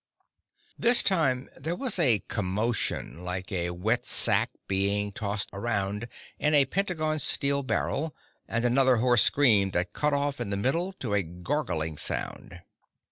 This time, there was a commotion, like a wet sack being tossed around in a pentagonal steel barrel, and another hoarse scream that cut off in the middle to a gargling sound.